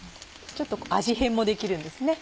ちょっと味変もできるんですね。